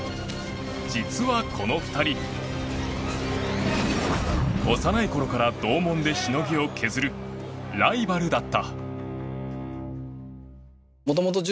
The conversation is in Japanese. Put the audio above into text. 実はこの２人幼い頃から同門でしのぎを削るライバルだった。